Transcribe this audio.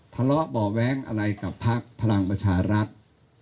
ทะเลาะบ่อแว้งอะไรกับพลักษณ์พลังประชารักษณ์